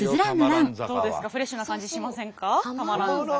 どうですかフレッシュな感じしませんか？